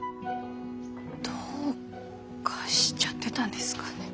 どうかしちゃってたんですかね？